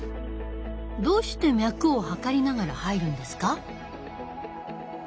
どうして脈を測りながら入るんですか？